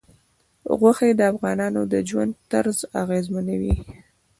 غوښې د افغانانو د ژوند طرز اغېزمنوي.